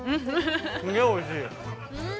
すげえおいしい。